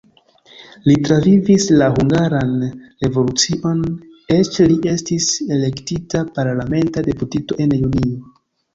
Li travivis la Hungaran revolucion, eĉ li estis elektita parlamenta deputito en junio.